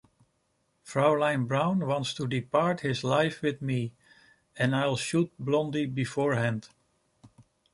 Fraulein Braun wants to depart this life with me, and I'll shoot Blondi beforehand.